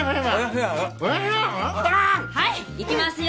はいいきますよ！